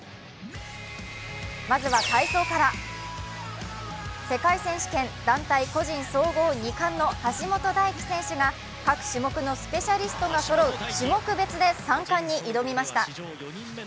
まずは体操から、世界選手権団体・個人総合２冠の橋本大輝選手が、各種目のスペシャリストがそろう種目別で３冠に挑みました。